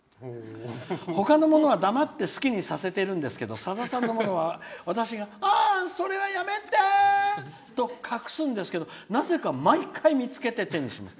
ほかのものは黙って好きにさせてるんですけどさださんのものは私が「あー！それはやめて！」と隠すんですけどなぜか毎回見つけて手にします。